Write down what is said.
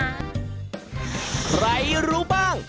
ใครรู้บ้าง